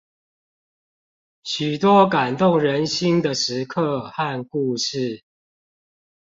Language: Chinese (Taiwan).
許多感動人心的時刻和故事